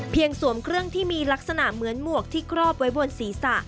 สวมเครื่องที่มีลักษณะเหมือนหมวกที่ครอบไว้บนศีรษะ